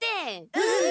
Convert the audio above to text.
うん。